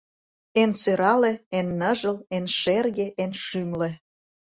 Эн сӧрале, эн ныжыл, эн шерге, эн шӱмлӧ